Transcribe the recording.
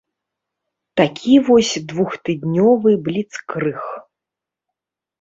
Такі вось двухтыднёвы бліцкрыг.